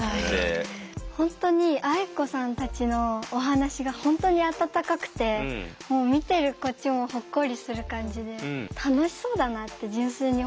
本当にあい子さんたちのお話が本当に温かくてもう見てるこっちもホッコリする感じで楽しそうだなって純粋に思いました。